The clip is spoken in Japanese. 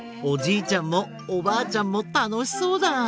おじいちゃんもおばあちゃんもたのしそうだ。